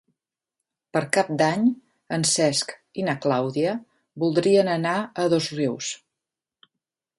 Per Cap d'Any en Cesc i na Clàudia voldrien anar a Dosrius.